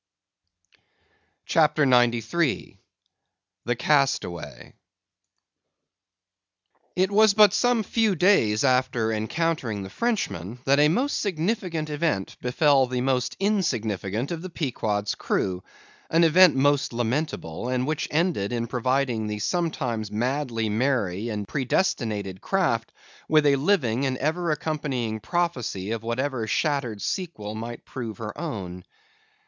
CHAPTER 93. The Castaway. It was but some few days after encountering the Frenchman, that a most significant event befell the most insignificant of the Pequod's crew; an event most lamentable; and which ended in providing the sometimes madly merry and predestinated craft with a living and ever accompanying prophecy of whatever shattered sequel might prove her own.